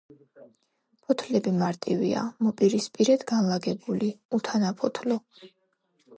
ფოთლები მარტივია, მოპირისპირედ განლაგებული, უთანაფოთლო.